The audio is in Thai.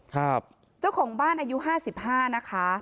เจ้าของบ้านอายุห้าสิบห้านะคะ